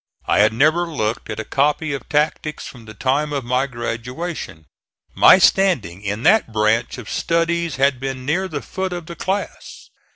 I had never looked at a copy of tactics from the time of my graduation. My standing in that branch of studies had been near the foot of the class.